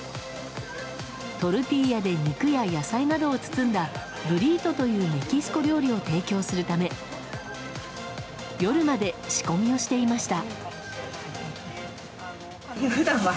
トルティーヤで肉や野菜などを包んだブリートというメキシコ料理を提供するため夜まで仕込みをしていました。